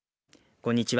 こんにちは。